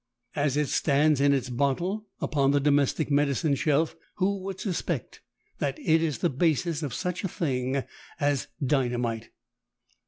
As it stands in its bottle upon the domestic medicine shelf, who would suspect that it is the basis of such a thing as dynamite?